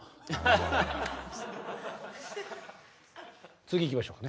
次いきましょうかね。